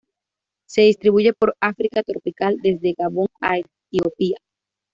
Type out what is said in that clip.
Se distribuye por África tropical desde Gabón a Etiopía.